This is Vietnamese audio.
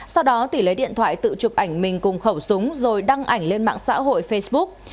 sau đó tỷ lấy điện thoại tự chụp ảnh mình cùng khẩu súng rồi đăng ảnh lên mạng xã hội facebook